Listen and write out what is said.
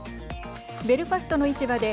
ベルファストの市場で